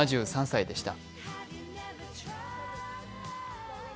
７３歳でした。